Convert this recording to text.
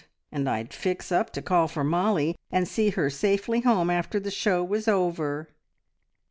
And I'd fix up to call for Mollie, and see her safely home after the show was over."